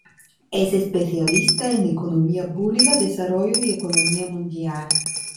Es especialista en economía pública, desarrollo y economía mundial.